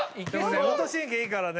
運動神経いいからね。